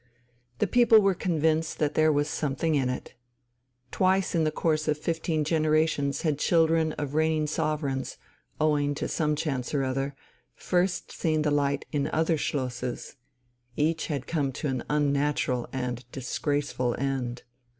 The people were convinced that there was something in it. Twice in the course of fifteen generations had children of reigning sovereigns, owing to some chance or other, first seen the light in other schlosses: each had come to an unnatural and disgraceful end.